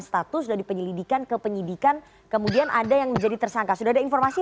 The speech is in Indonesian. status dari penyelidikan ke penyidikan kemudian ada yang menjadi tersangka sudah ada informasi